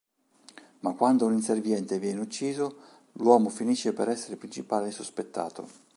Ma quando un inserviente viene ucciso, l'uomo finisce per essere il principale sospettato.